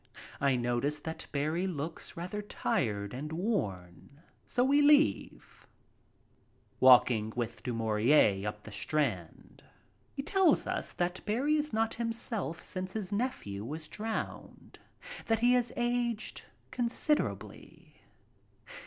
I notice that Barrie looks rather tired and worn, so we leave, walking with Du Maurier up the Strand. He tells us that Barrie is not himself since his nephew was drowned, that he has aged considerably.